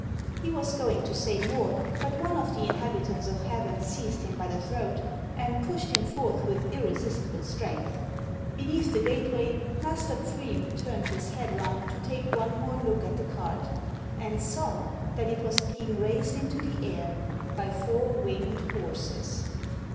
He was going to say more, but one of the inhabitants of heaven seized him by the throat and pushed him forth with irresistible strength. Beneath the gateway Master Pfriem turned his head round to take one more look at the cart, and saw that it was being raised into the air by four winged horses.